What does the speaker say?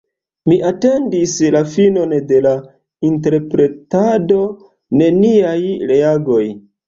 Mi atendis la finon de la interpretado: neniaj reagoj!